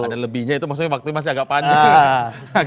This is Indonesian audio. ada lebihnya itu maksudnya waktu ini masih agak panjang